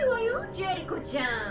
ジェリコちゃん。